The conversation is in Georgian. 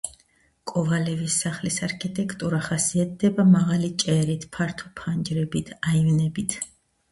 კოვალევის სახლის არქიტექტურა ხასიათდება მაღალი ჭერით, ფართო ფანჯრებით, აივნებით.